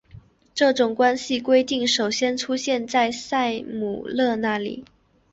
这种关系规定首先出现在塞姆勒那里。